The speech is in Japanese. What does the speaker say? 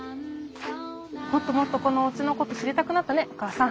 もっともっとこのおうちのこと知りたくなったねお母さん。